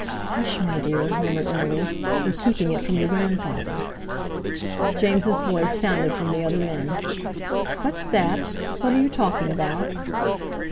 "Hush, my dear!" murmured Emily; "we're keeping it from your grandfather." James' voice sounded from the other end. "What's that? What are you talking about?"